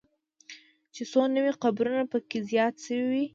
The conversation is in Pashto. چې څو نوي قبرونه به پکې زیات شوي وو، نوې هدیره وه.